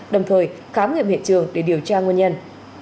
đồng thời khám nghiệm hiện trường để điều tra nguyên nhân